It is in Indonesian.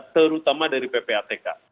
terutama dari ppatk